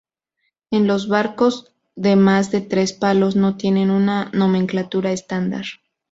En los barcos de más de tres palos no tienen una nomenclatura estándar.